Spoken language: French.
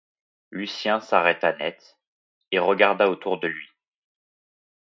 Lucien s’arrêta net, et regarda autour de lui.